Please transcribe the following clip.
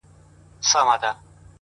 راباندي گرانه خو يې ـ